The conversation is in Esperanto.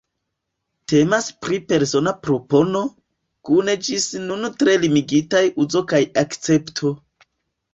Temas pri persona propono, kun ĝis nun tre limigitaj uzo kaj akcepto.